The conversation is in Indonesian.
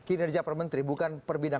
kinerja per menteri bukan per bidang